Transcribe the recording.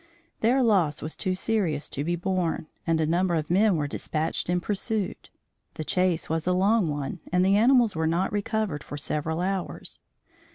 Their loss was too serious to be borne, and a number of men were dispatched in pursuit. The chase was a long one and the animals were not recovered for several hours.